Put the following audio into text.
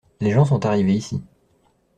Les gens sont arrivés ici.